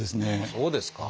そうですか。